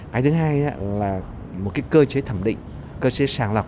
cái thứ hai là một cái cơ chế thẩm định cơ chế sàng lọc